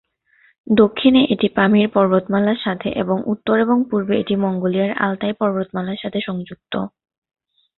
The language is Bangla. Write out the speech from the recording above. দক্ষিণে এটি পামির পর্বতমালার সাথে এবং উত্তর এবং পূর্বে এটি মঙ্গোলিয়ার আলতাই পর্বতমালার সাথে সংযুক্ত।